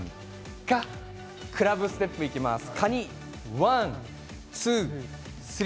クラブステップにいきます。